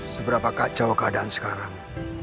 seberapa kacau keadaan sekarang